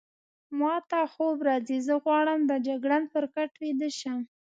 ما ته خوب راځي، زه غواړم د جګړن پر کټ ویده شم.